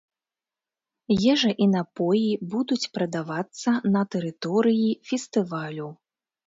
Ежа і напоі будуць прадавацца на тэрыторыі фестывалю.